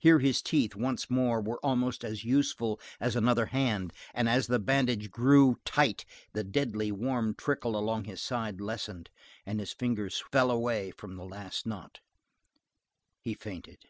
Here his teeth, once more, were almost as useful as another hand, and as the bandage grew tight the deadly, warm trickle along his side lessened and his fingers fell away from the last knot. He fainted.